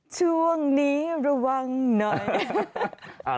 ช่วงนี้ระวังหน่อย